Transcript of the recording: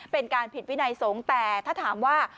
เป็นการผิดวินัยสงฆ์แต่ถ้าถามว่า